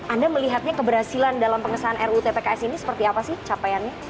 anda melihatnya keberhasilan dalam pengesahan rutpks ini seperti apa sih capaiannya